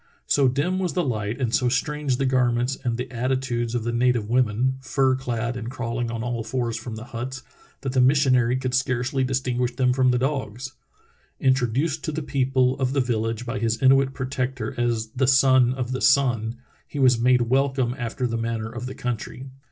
So dim was the light and so strange the 3o8 True Tales of Arctic Heroism garments and the attitudes of the native women, fur clad and crawHng on all fours from the huts, that the missionary could scarcely distinguish them from the dogs. Introduced to the people of the village by his Inuit protector as the Son of the Sun, he was made welcome after the manner of the country.